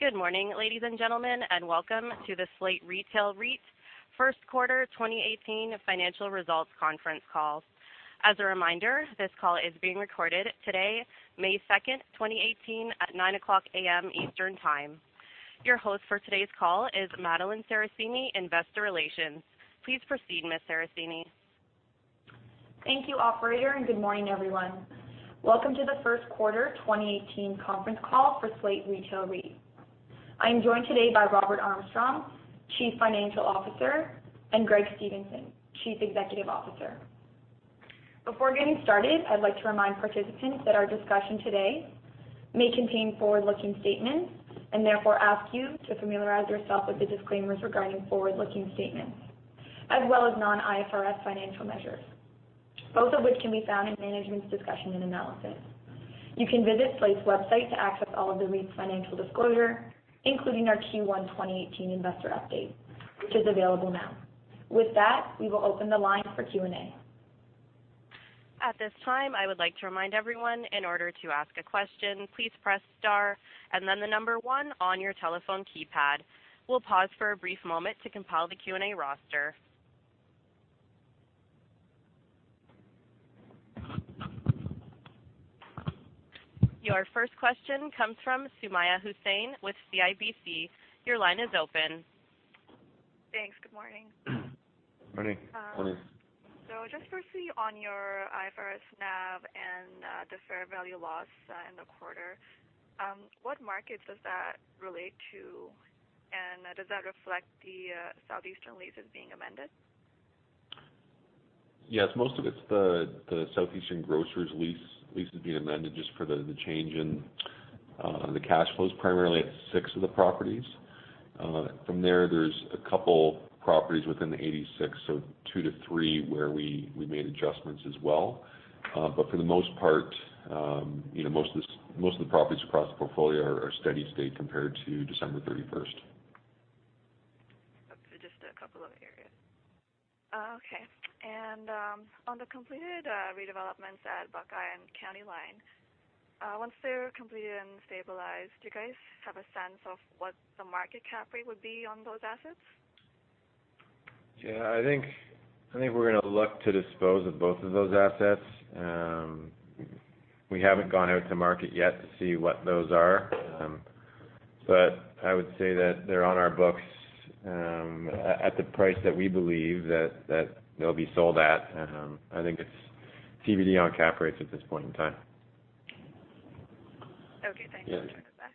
Good morning, ladies and gentlemen, and welcome to the Slate Retail REIT First Quarter 2018 financial results conference call. As a reminder, this call is being recorded today, May 2nd, 2018, at 9:00 A.M. Eastern Time. Your host for today's call is Madeline Sarracini, Investor Relations. Please proceed, Ms. Sarracini. Thank you, operator. Good morning, everyone. Welcome to the first quarter 2018 conference call for Slate Retail REIT. I am joined today by Robert Armstrong, Chief Financial Officer, and Greg Stevenson, Chief Executive Officer. Before getting started, I'd like to remind participants that our discussion today may contain forward-looking statements, therefore ask you to familiarize yourself with the disclaimers regarding forward-looking statements, as well as non-IFRS financial measures, both of which can be found in management's discussion and analysis. You can visit Slate's website to access all of the REIT's financial disclosure, including our Q1 2018 investor update, which is available now. With that, we will open the line for Q&A. At this time, I would like to remind everyone, in order to ask a question, please press star and then the number 1 on your telephone keypad. We'll pause for a brief moment to compile the Q&A roster. Your first question comes from Sumayya Syed with CIBC. Your line is open. Thanks. Good morning. Morning. Morning. firstly, on your IFRS NAV and the fair value loss in the quarter, what markets does that relate to? Does that reflect the Southeastern leases being amended? Yes, most of it's the Southeastern Grocers leases being amended just for the change in the cash flows, primarily at six of the properties. From there's a couple properties within the 86, so two to three where we made adjustments as well. For the most part, most of the properties across the portfolio are steady-state compared to December 31st. just a couple of areas. Okay. On the completed redevelopments at Buckeye and County Line, once they're completed and stabilized, do you guys have a sense of what the market cap rate would be on those assets? Yeah, I think we're going to look to dispose of both of those assets. We haven't gone out to market yet to see what those are. I would say that they're on our books at the price that we believe that they'll be sold at. I think it's TBD on cap rates at this point in time. Okay. Thanks. Yeah. I'll turn it back.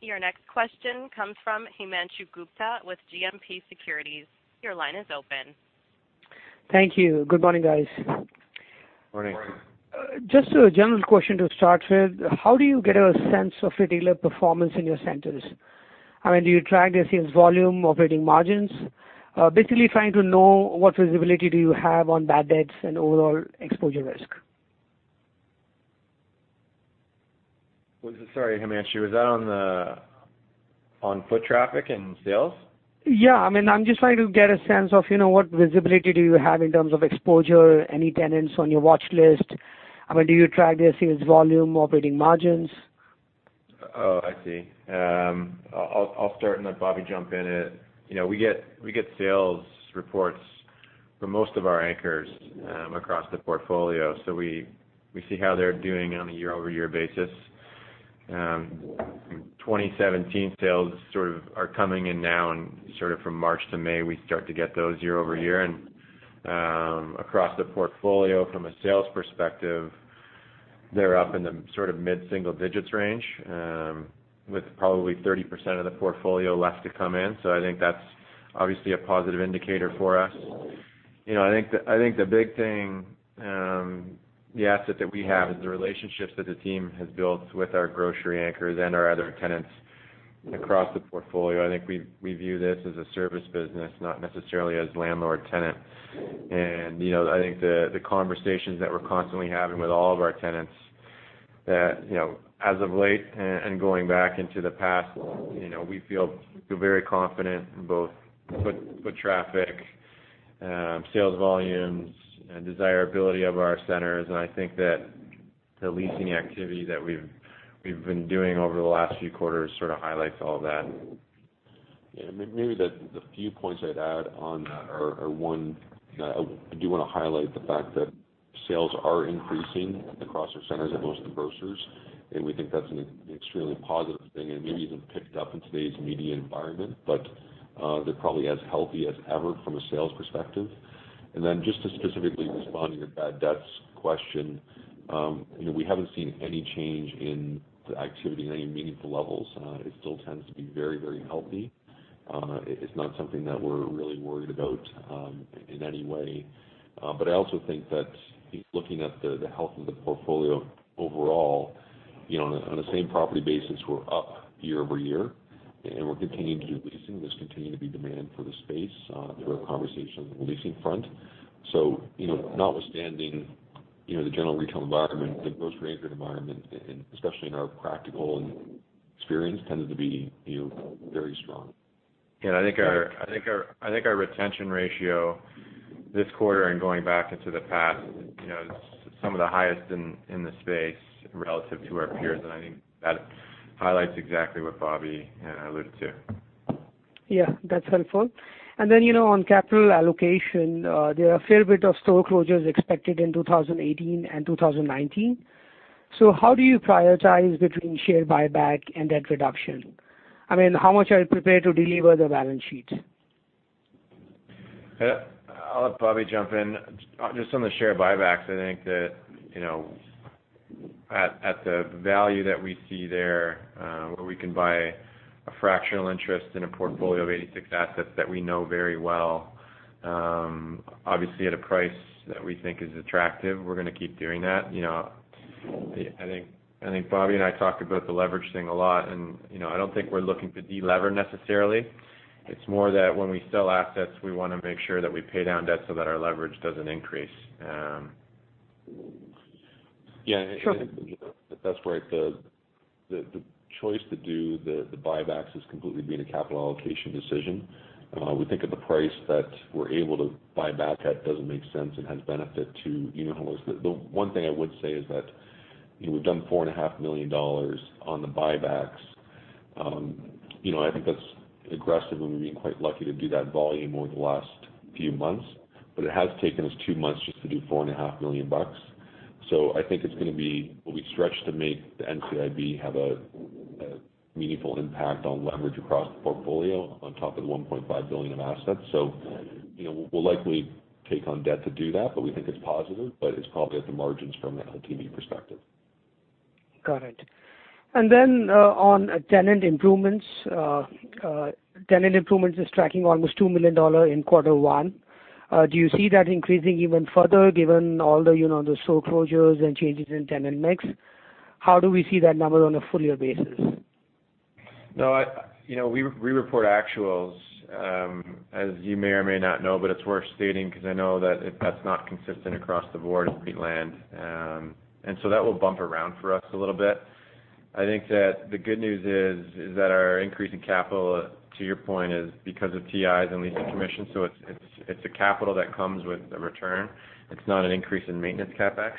Your next question comes from Himanshu Gupta with GMP Securities. Your line is open. Thank you. Good morning, guys. Morning. Morning. Just a general question to start with, how do you get a sense of retailer performance in your centers? Do you track their sales volume, operating margins? Basically, trying to know what visibility do you have on bad debts and overall exposure risk. Sorry, Himanshu, was that on foot traffic and sales? Yeah. I'm just trying to get a sense of what visibility do you have in terms of exposure, any tenants on your watchlist. Do you track their sales volume, operating margins? Oh, I see. I'll start and let Bobby jump in it. We get sales reports for most of our anchors across the portfolio. We see how they're doing on a year-over-year basis. 2017 sales sort of are coming in now, and sort of from March to May, we start to get those year-over-year. Across the portfolio, from a sales perspective, they're up in the sort of mid-single digits range, with probably 30% of the portfolio left to come in. I think that's obviously a positive indicator for us. I think the big thing, the asset that we have is the relationships that the team has built with our grocery anchors and our other tenants across the portfolio. I think we view this as a service business, not necessarily as landlord-tenant. I think the conversations that we're constantly having with all of our tenants, that as of late and going back into the past, we feel very confident in both foot traffic, sales volumes, and desirability of our centers. I think that the leasing activity that we've been doing over the last few quarters sort of highlights all that. Yeah. Maybe the few points I'd add on that are, one, I do want to highlight the fact that sales are increasing across our centers at most of the grocers, and we think that's an extremely positive thing, and maybe even picked up in today's media environment. They're probably as healthy as ever from a sales perspective. Then just to specifically respond to your bad debts question, we haven't seen any change in the activity in any meaningful levels. It still tends to be very healthy. It's not something that we're really worried about in any way. I also think that looking at the health of the portfolio overall, on a same-property basis, we're up year-over-year, and we're continuing to do leasing. There's continuing to be demand for the space through our conversation on the leasing front. Notwithstanding the general retail environment, I think most retail environment, especially in our practical and experience tended to be very strong. Yeah, I think our retention ratio this quarter and going back into the past, is some of the highest in the space relative to our peers, and I think that highlights exactly what Bobby and I alluded to. Yeah, that's helpful. On capital allocation, there are a fair bit of store closures expected in 2018 and 2019. How do you prioritize between share buyback and debt reduction? How much are you prepared to de-lever the balance sheet? I'll let Bobby jump in. Just on the share buybacks, I think that at the value that we see there, where we can buy a fractional interest in a portfolio of 86 assets that we know very well, obviously at a price that we think is attractive, we're going to keep doing that. I think Bobby and I talked about the leverage thing a lot, and I don't think we're looking to de-lever necessarily. It's more that when we sell assets, we want to make sure that we pay down debt so that our leverage doesn't increase. Yeah. Sure. That's right. The choice to do the buybacks has completely been a capital allocation decision. We think at the price that we're able to buy back at, doesn't make sense and has benefit to unitholders. The one thing I would say is that, we've done $4.5 million on the buybacks. I think that's aggressive and we've been quite lucky to do that volume over the last few months, but it has taken us two months just to do $4.5 million. I think it's going to be what we stretch to make the NCIB have a meaningful impact on leverage across the portfolio on top of the $1.5 billion of assets. We'll likely take on debt to do that, but we think it's positive, but it's probably at the margins from an LTV perspective. Got it. On tenant improvements. Tenant improvements is tracking almost $2 million in quarter one. Do you see that increasing even further given all the store closures and changes in tenant mix? How do we see that number on a full year basis? We report actuals, as you may or may not know, but it's worth stating because I know that that's not consistent across the board in Finland. That will bump around for us a little bit. I think that the good news is that our increase in capital, to your point, is because of TIs and leasing commissions, so it's a capital that comes with a return. It's not an increase in maintenance CapEx.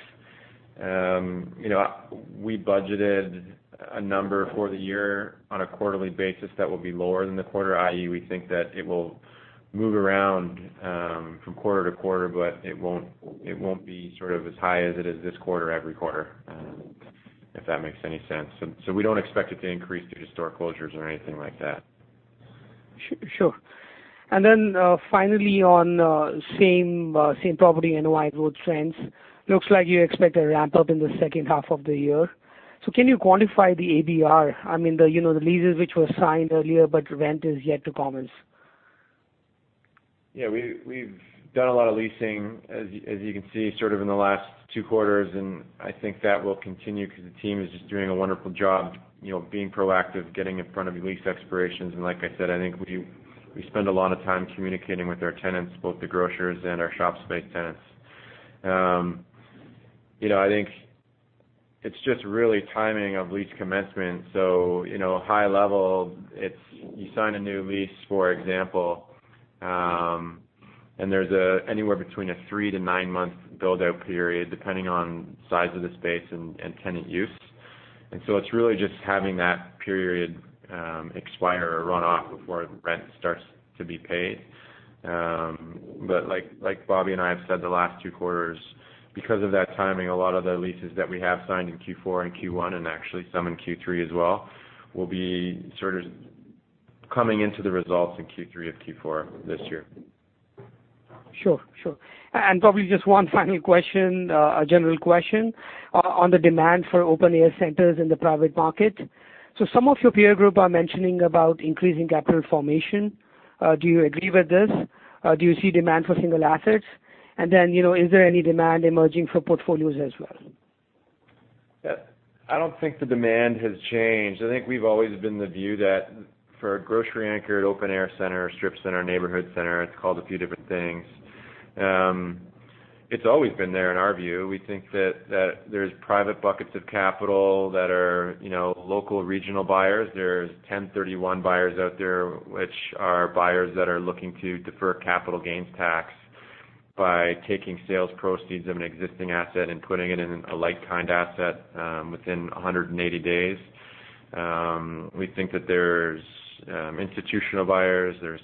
We budgeted a number for the year on a quarterly basis that will be lower than the quarter i.e., we think that it will move around from quarter to quarter, but it won't be sort of as high as it is this quarter every quarter, if that makes any sense. We don't expect it to increase due to store closures or anything like that. Sure. Finally on same property and NOI growth trends, looks like you expect a ramp up in the second half of the year. Can you quantify the ABR? I mean, the leases which were signed earlier, but rent is yet to commence. Yeah, we've done a lot of leasing, as you can see, sort of in the last two quarters, and I think that will continue because the team is just doing a wonderful job being proactive, getting in front of lease expirations. Like I said, I think we spend a lot of time communicating with our tenants, both the grocers and our shop space tenants. I think it's just really timing of lease commencement. High level, you sign a new lease, for example, and there's anywhere between a three to nine-month build-out period, depending on size of the space and tenant use. It's really just having that period expire or run off before rent starts to be paid. Like Bobby and I have said the last two quarters, because of that timing, a lot of the leases that we have signed in Q4 and Q1, and actually some in Q3 as well, will be sort of coming into the results in Q3 of Q4 this year. Sure. Bobby, just one final question, a general question, on the demand for open-air centers in the private market. Some of your peer group are mentioning about increasing capital formation. Do you agree with this? Do you see demand for single assets? Then, is there any demand emerging for portfolios as well? I don't think the demand has changed. I think we've always been of the view that for a grocery anchored, open-air center, strip center, neighborhood center, it's called a few different things. It's always been there in our view. We think that there's private buckets of capital that are local regional buyers. There's 1031 buyers out there, which are buyers that are looking to defer capital gains tax by taking sales proceeds of an existing asset and putting it in a like-kind asset within 180 days. We think that there's institutional buyers, there's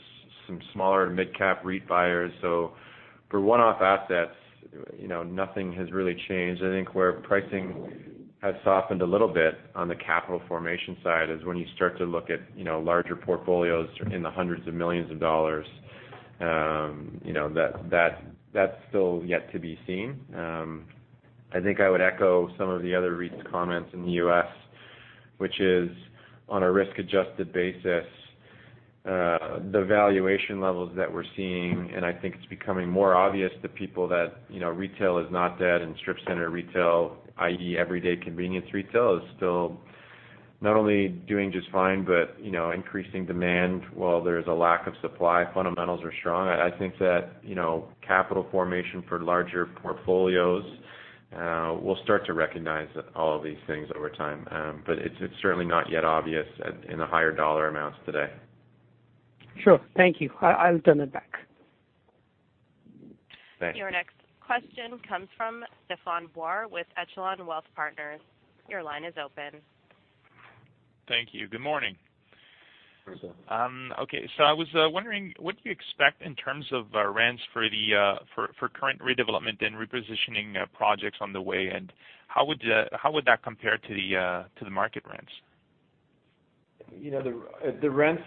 some smaller mid-cap REIT buyers. For one-off assets, nothing has really changed. I think where pricing has softened a little bit on the capital formation side is when you start to look at larger portfolios in the hundreds of millions of dollars. That's still yet to be seen. I think I would echo some of the other recent comments in the U.S., which is on a risk-adjusted basis, the valuation levels that we're seeing, and I think it's becoming more obvious to people that retail is not dead and strip center retail, i.e., everyday convenience retail, is still not only doing just fine, but increasing demand while there is a lack of supply. Fundamentals are strong. I think that capital formation for larger portfolios will start to recognize all of these things over time. It's certainly not yet obvious in the higher dollar amounts today. Sure. Thank you. I'll turn it back. Thanks. Your next question comes from Stéphane Boire with Echelon Wealth Partners. Your line is open. Thank you. Good morning. Good morning. Okay, I was wondering, what do you expect in terms of rents for current redevelopment and repositioning projects on the way, and how would that compare to the market rents? The rents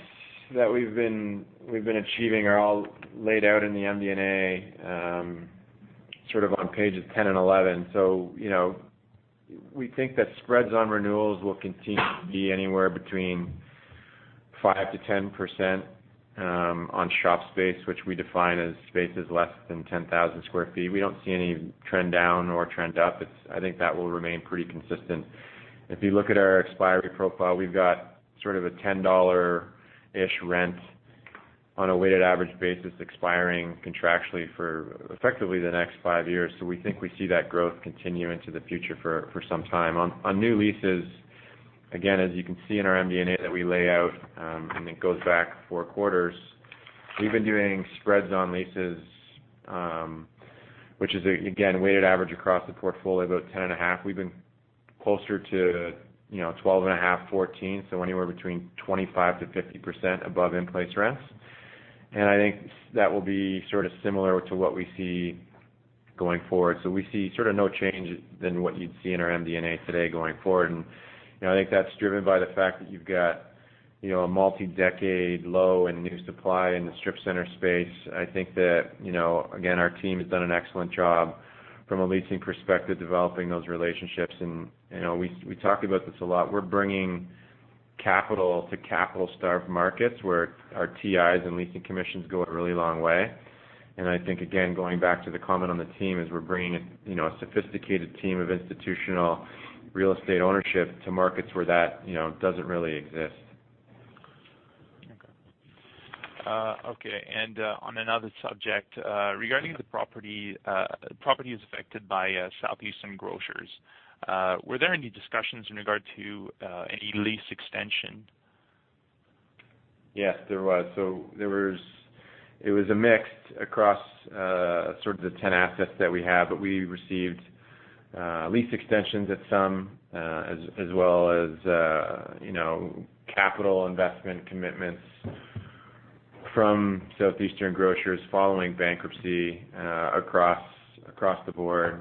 that we've been achieving are all laid out in the MD&A, sort of on pages 10 and 11. We think that spreads on renewals will continue to be anywhere between 5%-10% on shop space, which we define as spaces less than 10,000 square feet. We don't see any trend down or trend up. I think that will remain pretty consistent. If you look at our expiry profile, we've got sort of a $10-ish rent on a weighted average basis expiring contractually for effectively the next five years. We think we see that growth continue into the future for some time. On new leases, again, as you can see in our MD&A that we lay out, and it goes back four quarters, we've been doing spreads on leases, which is, again, weighted average across the portfolio about 10.5%. We've been closer to 12.5%, 14%. Anywhere between 25%-50% above in-place rents. I think that will be sort of similar to what we see going forward. We see sort of no change than what you'd see in our MD&A today going forward. I think that's driven by the fact that you've got a multi-decade low in new supply in the strip center space. I think that, again, our team has done an excellent job from a leasing perspective, developing those relationships. We talk about this a lot. We're bringing capital to capital-starved markets where our TIs and leasing commissions go a really long way. I think, again, going back to the comment on the team is we're bringing a sophisticated team of institutional real estate ownership to markets where that doesn't really exist. Okay. On another subject, regarding the properties affected by Southeastern Grocers, were there any discussions in regard to any lease extension? Yes, there was. It was a mix across sort of the 10 assets that we have, but we received lease extensions at some, as well as capital investment commitments from Southeastern Grocers following bankruptcy across the board.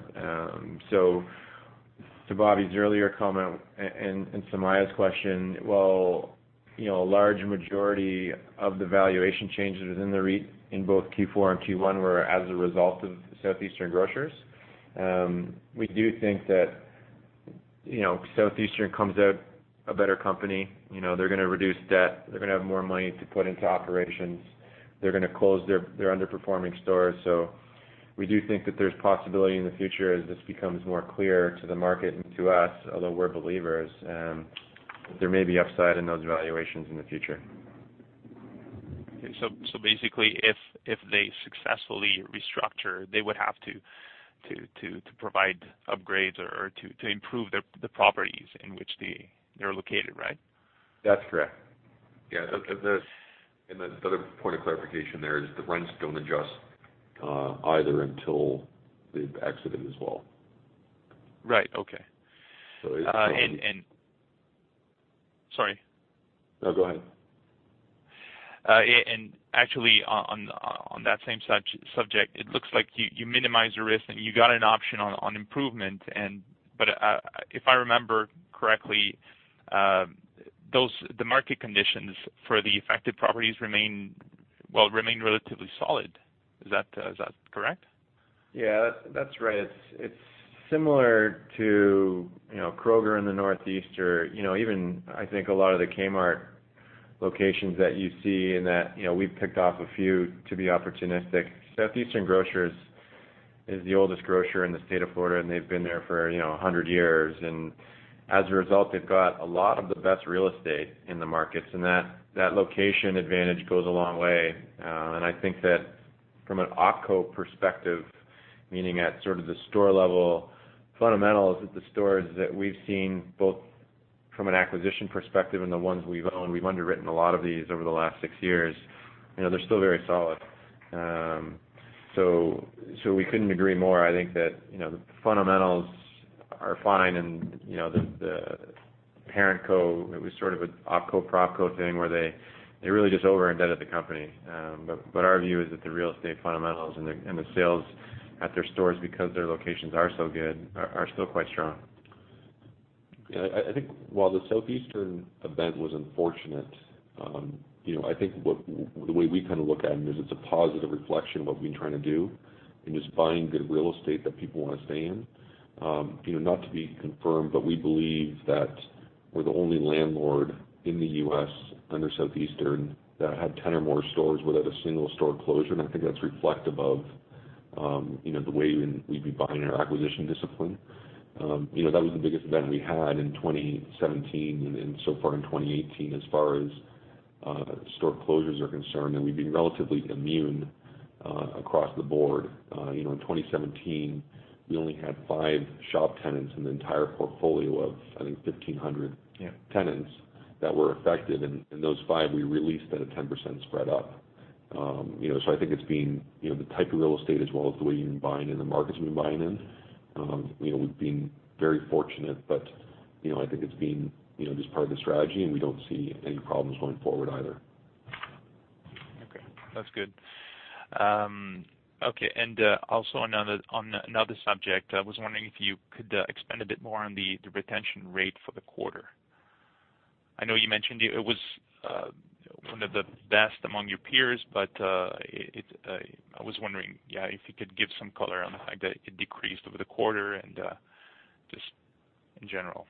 To Bobby's earlier comment, and to Sumayya's question, while a large majority of the valuation changes within the REIT in both Q4 and Q1 were as a result of Southeastern Grocers, we do think that Southeastern comes out a better company. They're going to reduce debt. They're going to have more money to put into operations. They're going to close their underperforming stores. We do think that there's possibility in the future as this becomes more clear to the market and to us, although we're believers, there may be upside in those valuations in the future. Okay, basically if they successfully restructure, they would have to provide upgrades or to improve the properties in which they're located, right? That's correct. Yeah. The other point of clarification there is the rents don't adjust either until they've exited as well. Right. Okay. It's probably Sorry. No, go ahead. Actually on that same subject, it looks like you minimized your risk, and you got an option on improvement. If I remember correctly, the market conditions for the affected properties remain relatively solid. Is that correct? Yeah, that's right. It's similar to Kroger in the Northeast or even, I think, a lot of the Kmart locations that you see in that we've picked off a few to be opportunistic. Southeastern Grocers is the oldest grocer in the state of Florida, they've been there for 100 years. As a result, they've got a lot of the best real estate in the markets, that location advantage goes a long way. I think that from an opco perspective, meaning at sort of the store level fundamentals at the stores that we've seen, both from an acquisition perspective and the ones we've owned, we've underwritten a lot of these over the last six years. They're still very solid. We couldn't agree more. I think that the fundamentals are fine, the parent co, it was sort of an opco, propco thing where they really just over-indebted the company. Our view is that the real estate fundamentals and the sales at their stores, because their locations are so good, are still quite strong. Yeah. I think while the Southeastern event was unfortunate, I think the way we kind of look at it is it's a positive reflection of what we try to do in just buying good real estate that people want to stay in. Not to be confirmed, but we believe that we're the only landlord in the U.S. under Southeastern that had 10 or more stores without a single store closure. I think that's reflective of the way we've been buying our acquisition discipline. That was the biggest event we had in 2017 and so far in 2018 as far as store closures are concerned, we've been relatively immune across the board. In 2017, we only had five shop tenants in the entire portfolio of, I think, 1,500- Yeah tenants that were affected. Those five, we released at a 10% spread up. I think it's been the type of real estate as well as the way you've been buying in the markets we've been buying in. We've been very fortunate. I think it's been just part of the strategy, we don't see any problems going forward either. Okay. That's good. Also on another subject, I was wondering if you could expand a bit more on the retention rate for the quarter. I know you mentioned it was one of the best among your peers, I was wondering, if you could give some color on the fact that it decreased over the quarter and just in general.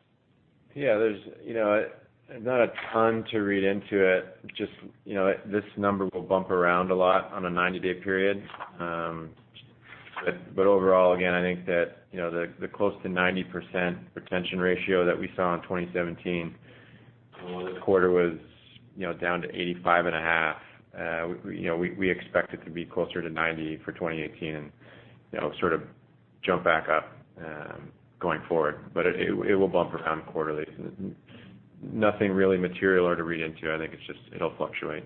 There's not a ton to read into it, just this number will bump around a lot on a 90-day period. Overall, again, I think that, the close to 90% retention ratio that we saw in 2017, while this quarter was down to 85 and a half. We expect it to be closer to 90 for 2018 and sort of jump back up, going forward. It will bump around quarterly. Nothing really material or to read into. I think it's just, it'll fluctuate.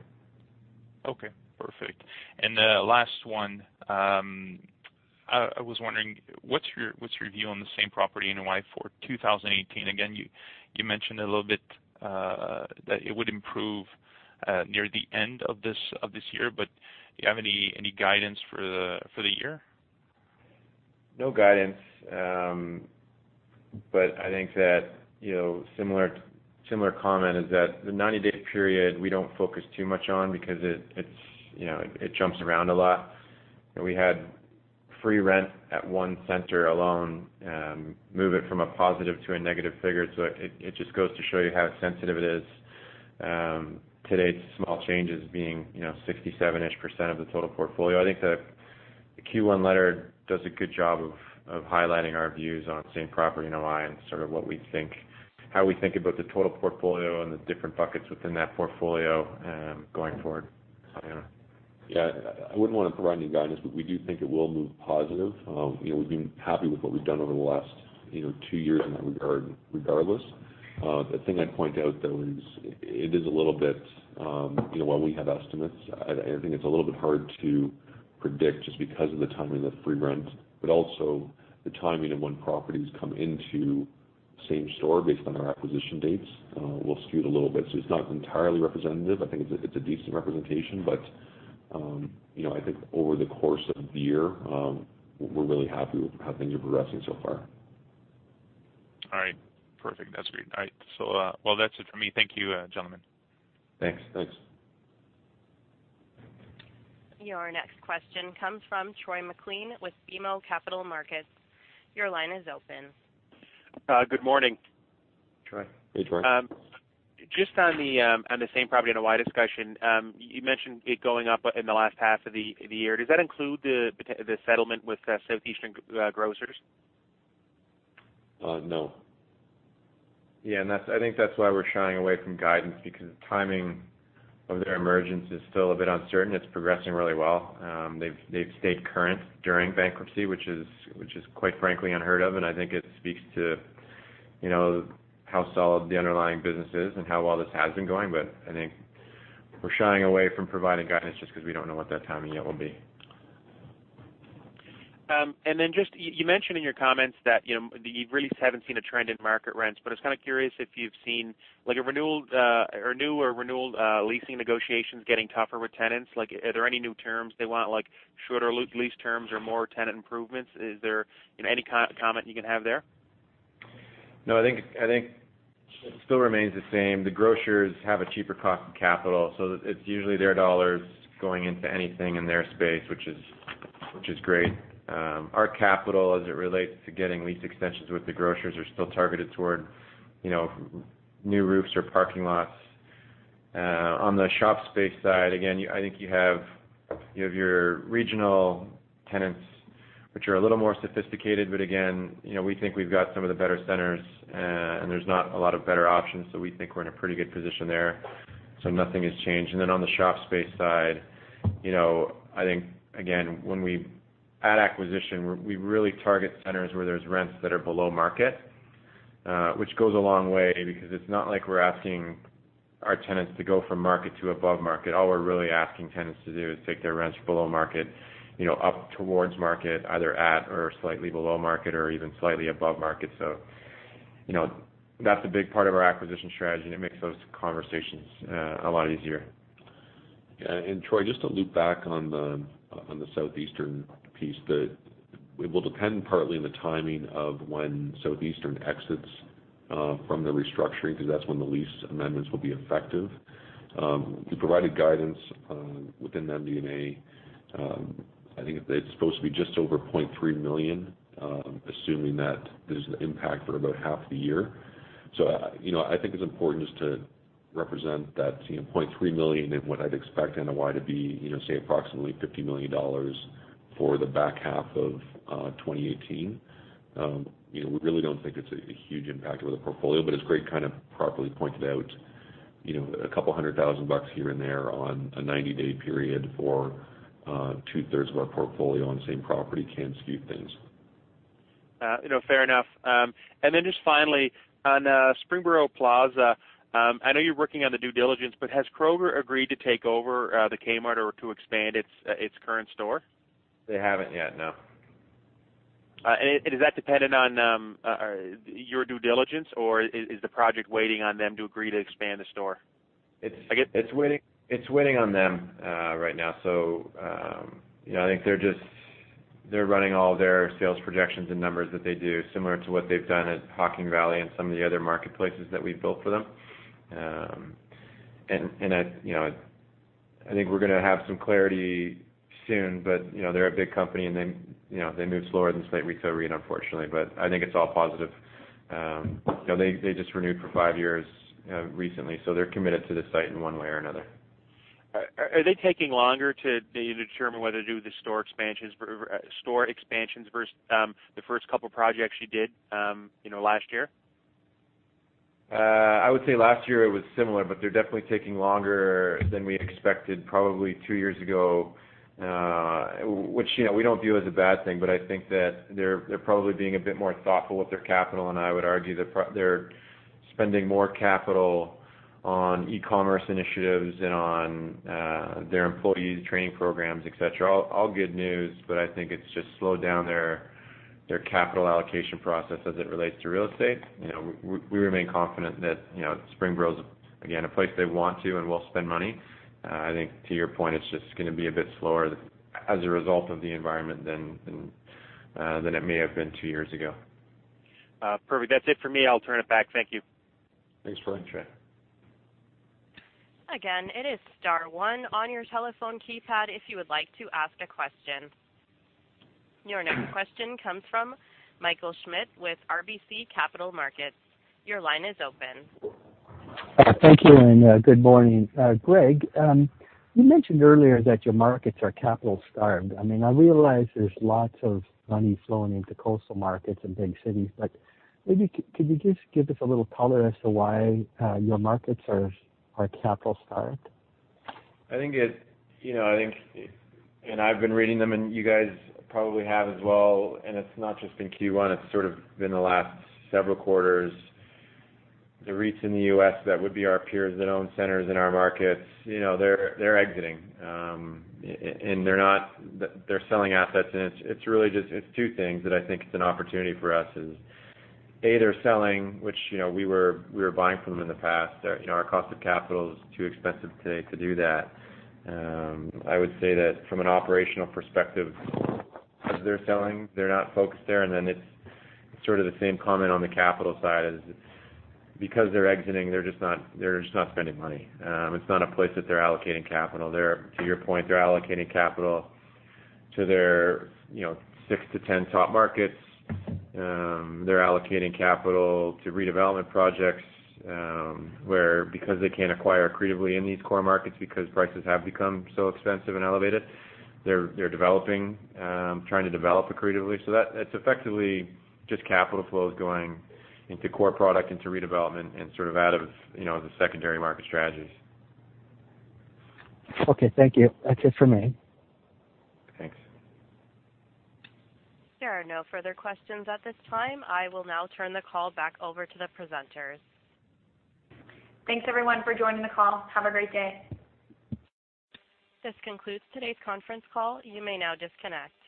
Okay, perfect. Last one, I was wondering, what's your view on the same property NOI for 2018? Again, you mentioned a little bit that it would improve near the end of this year, do you have any guidance for the year? No guidance, I think that similar comment is that the 90-day period, we don't focus too much on because it jumps around a lot, and we had free rent at one center alone, move it from a positive to a negative figure. It just goes to show you how sensitive it is. Today, it's small changes being, 67-ish% of the total portfolio. I think the Q1 letter does a good job of highlighting our views on same property NOI and sort of what we think, how we think about the total portfolio and the different buckets within that portfolio, going forward. Yeah. I wouldn't want to provide any guidance, but we do think it will move positive. We've been happy with what we've done over the last two years in that regard, regardless. The thing I'd point out though is it is a little bit, while we have estimates, I think it's a little bit hard to predict just because of the timing of the free rent, but also the timing of when properties come into same store based on our acquisition dates will skew it a little bit. It's not entirely representative. I think it's a decent representation, but I think over the course of the year, we're really happy with how things are progressing so far. All right. Perfect. That's great. All right. Well, that's it for me. Thank you, gentlemen. Thanks. Thanks. Your next question comes from Troy McLean with BMO Capital Markets. Your line is open. Good morning. Troy. Hey, Troy. Just on the same property NOI discussion, you mentioned it going up in the last half of the year. Does that include the settlement with Southeastern Grocers? No. Yeah. I think that's why we're shying away from guidance because the timing of their emergence is still a bit uncertain. It's progressing really well. They've stayed current during bankruptcy, which is quite frankly unheard of, and I think it speaks to how solid the underlying business is and how well this has been going. I think we're shying away from providing guidance just because we don't know what that timing yet will be. You mentioned in your comments that you really haven't seen a trend in market rents, but I was kind of curious if you've seen like a renewal, or new or renewal leasing negotiations getting tougher with tenants. Like are there any new terms they want, like shorter lease terms or more tenant improvements? Is there any comment you can have there? It still remains the same. The grocers have a cheaper cost of capital, it's usually their dollars going into anything in their space, which is great. Our capital as it relates to getting lease extensions with the grocers are still targeted toward new roofs or parking lots. On the shop space side, again, you have your regional tenants which are a little more sophisticated, we think we've got some of the better centers, and there's not a lot of better options, we think we're in a pretty good position there. Nothing has changed. On the shop space side, again, when we add acquisition, we really target centers where there's rents that are below market, which goes a long way because it's not like we're asking our tenants to go from market to above market. All we're really asking tenants to do is take their rents below market, up towards market, either at or slightly below market or even slightly above market. That's a big part of our acquisition strategy, and it makes those conversations a lot easier. Troy, just to loop back on the Southeastern piece, it will depend partly on the timing of when Southeastern exits from the restructuring because that's when the lease amendments will be effective. We provided guidance within the MD&A. It's supposed to be just over $0.3 million, assuming that there's an impact for about half the year. It's important just to represent that $0.3 million in what I'd expect NOI to be, say approximately $50 million for the back half of 2018. We really don't think it's a huge impact over the portfolio, as Greg kind of properly pointed out, $200,000 here and there on a 90-day period for two-thirds of our portfolio on the same property can skew things. Fair enough. Just finally, on Springboro Plaza, I know you're working on the due diligence, has Kroger agreed to take over the Kmart or to expand its current store? They haven't yet, no. Is that dependent on your due diligence, or is the project waiting on them to agree to expand the store? It's waiting on them right now. I think they're running all their sales projections and numbers that they do, similar to what they've done at Hocking Valley and some of the other marketplaces that we've built for them. I think we're going to have some clarity soon. They're a big company, and they move slower than Slate Retail, unfortunately. I think it's all positive. They just renewed for five years recently, so they're committed to the site in one way or another. Are they taking longer to determine whether to do the store expansions versus the first couple projects you did last year? I would say last year it was similar, they're definitely taking longer than we expected probably two years ago, which we don't view as a bad thing. I think that they're probably being a bit more thoughtful with their capital, and I would argue they're spending more capital on e-commerce initiatives and on their employees' training programs, et cetera. All good news. I think it's just slowed down their capital allocation process as it relates to real estate. We remain confident that Springboro is, again, a place they want to and will spend money. I think to your point, it's just going to be a bit slower as a result of the environment than it may have been two years ago. Perfect. That's it for me. I'll turn it back. Thank you. Thanks for asking. Again, it is star one on your telephone keypad if you would like to ask a question. Your next question comes from Michael Schmidt with RBC Capital Markets. Your line is open. Good morning. Greg, you mentioned earlier that your markets are capital starved. I realize there's lots of money flowing into coastal markets and big cities, maybe could you just give us a little color as to why your markets are capital starved? I've been reading them, you guys probably have as well, it's not just in Q1, it's sort of been the last several quarters. The REITs in the U.S., that would be our peers that own centers in our markets, they're exiting. They're selling assets, it's two things that I think it's an opportunity for us is, A, they're selling, which we were buying from them in the past. Our cost of capital is too expensive today to do that. I would say that from an operational perspective, because they're selling, they're not focused there. Then it's sort of the same comment on the capital side is because they're exiting, they're just not spending money. It's not a place that they're allocating capital. To your point, they're allocating capital to their 6 to 10 top markets. They're allocating capital to redevelopment projects, where because they can't acquire accretively in these core markets because prices have become so expensive and elevated, they're developing, trying to develop accretively. That's effectively just capital flows going into core product, into redevelopment, sort of out of the secondary market strategies. Okay, thank you. That's it for me. Thanks. There are no further questions at this time. I will now turn the call back over to the presenters. Thanks, everyone, for joining the call. Have a great day. This concludes today's conference call. You may now disconnect.